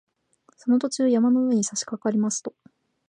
その途中、山の上にさしかかりますと